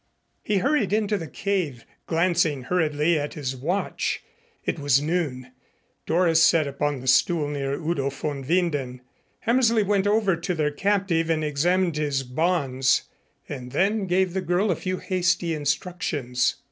He hurried into the cave, glancing hurriedly at his watch. It was noon. Doris sat upon the stool near Udo von Winden. Hammersley went over to their captive and examined his bonds and then gave the girl a few hasty instructions.